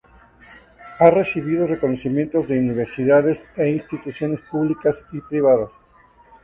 Ha recibido reconocimientos de universidades e instituciones públicas y privadas.